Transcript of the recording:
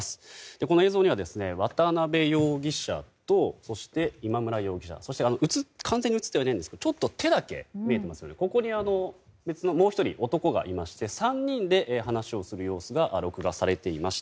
この映像には渡邉容疑者とそして、今村容疑者そして完全に映ってはいないんですがちょっと手だけ見えているここに、もう１人の男がいまして３人で話をする様子が録画されていました。